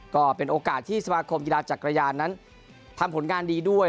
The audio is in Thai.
ก็เป็นโอกาสที่ศาลกิจกระยานนั้นทำผลงานดีด้วย